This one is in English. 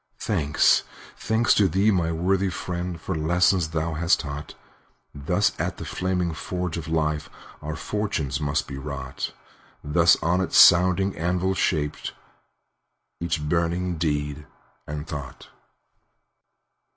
Thanks, thanks to thee, my worthy friend, For the lesson thou hast taught! Thus at the flaming forge of life Our fortunes must be wrought; Thus on its sounding anvil shaped Each burning deed and thought.